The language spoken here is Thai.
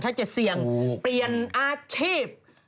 ถ้าจะเสี่ยงเปลี่ยนอาชีพ